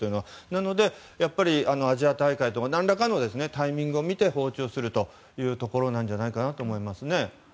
なので、アジア大会とか何らかのタイミングを見て訪中するというところだと思います。